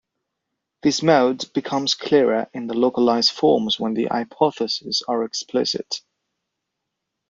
This mode becomes clearer in the localised form when the hypotheses are explicit.